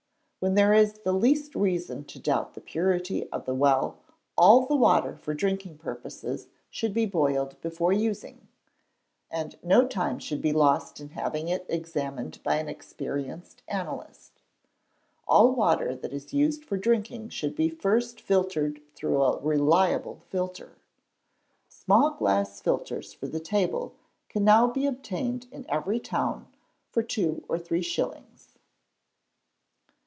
When there is the least reason to doubt the purity of the well all the water for drinking purposes should be boiled before using, and no time should be lost in having it examined by an experienced analyst. All water that is used for drinking should be first filtered through a reliable filter. Small glass filters for the table can now be obtained in every town for two or three shillings.